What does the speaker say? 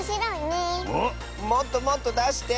もっともっとだして！